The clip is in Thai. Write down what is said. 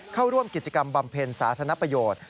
เข้าร่วมกิจกรรมบำเพ็ญสาธารณประโยชน์